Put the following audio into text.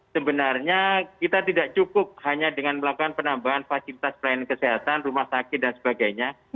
sebenarnya kita tidak cukup hanya dengan melakukan penambahan fasilitas pelayanan kesehatan rumah sakit dan sebagainya